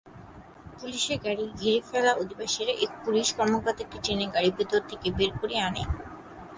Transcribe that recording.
পুলিশের গাড়ি ঘিরে ফেলা অধিবাসীরা এক পুলিশ কর্মকর্তাকে টেনে গাড়ির ভেতর থেকে বের করে আনে।